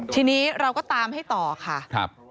ทีนี้เราก็ตามให้ต่อค่ะ